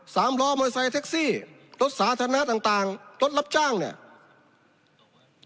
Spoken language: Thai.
สามล้อมอเซแท็กซี่รถสาธารณะต่างต่างรถรับจ้างเนี่ย